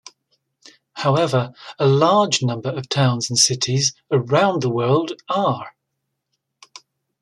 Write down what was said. However, a large number of towns and cities around the world are.